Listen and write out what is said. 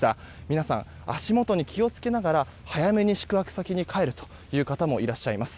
皆さん、足元に気を付けながら早めに宿泊先に帰るという方もいらっしゃいます。